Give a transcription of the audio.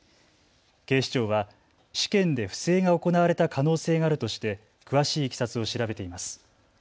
警視庁は試験で不正が行われた可能性があるとして詳しいいきさつを調べています。